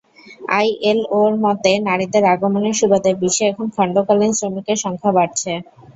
আইএলওর মতে, নারীদের আগমনের সুবাদে বিশ্বে এখন খণ্ডকালীন শ্রমিকের সংখ্যা বাড়ছে।